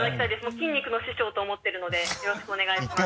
筋肉の師匠と思ってるのでよろしくお願いします。